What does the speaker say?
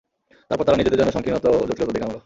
তারপর তারা নিজেদের জন্য সংকীর্ণতা ও জটিলতা ডেকে আনল।